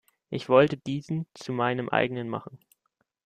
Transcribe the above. Ich wollte diesen zu meinem eigenen machen.